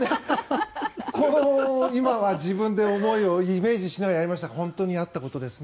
今は自分で思いをイメージしながらやりましたが本当にあったことですね。